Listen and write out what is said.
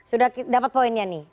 sudah dapat poinnya nih